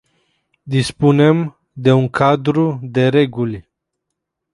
Dispunem de un cadru de reguli.